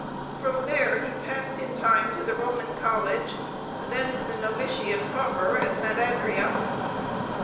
From there he passed in time to the Roman College, then to the Noviciate proper at Sant' Andrea.